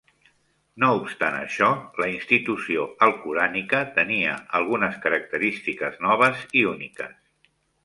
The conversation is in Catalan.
No obstant això, la institució alcorànica tenia algunes característiques noves i úniques.